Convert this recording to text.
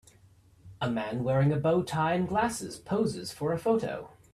A man wearing a bowtie and glasses poses for a photo.